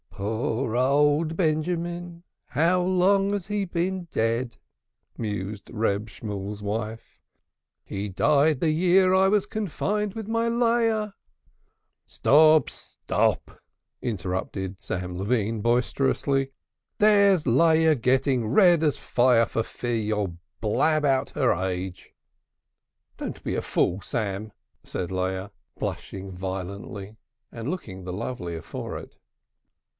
"Poor old Benjamin! How long has he been dead?" mused Reb Shemuel's wife. "He died the year I was confined with my Leah " "Stop! stop!" interrupted Sam Levine boisterously. "There's Leah getting as red as fire for fear you'll blab out her age." "Don't be a fool, Sam," said Leah, blushing violently, and looking the lovelier for it.